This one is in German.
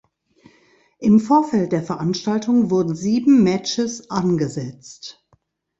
Im Vorfeld der Veranstaltung wurden sieben Matches angesetzt.